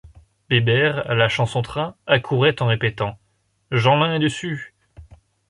Bébert, lâchant son train, accourait en répétant: — Jeanlin est dessous!